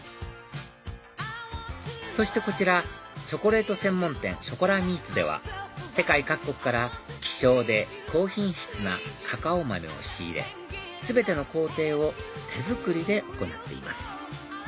そしてこちらチョコレート専門店ＣｈｏｃｏｌａＭｅｅｔｓでは世界各国から希少で高品質なカカオ豆を仕入れ全ての工程を手作りで行っています